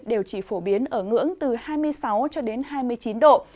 đều chỉ phổ biến ở ngưỡng từ hai mươi sáu hai mươi tám độ c